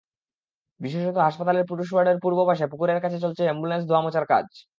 বিশেষত হাসপাতালের পুরুষ ওয়ার্ডের পূর্ব পাশে পুকুরের কাছে চলছে অ্যাম্বুলেন্স ধোয়ামোছার কাজ।